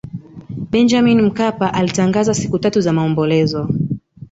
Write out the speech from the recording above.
benjamin mkapa alitangaza siku tatu za maombolezo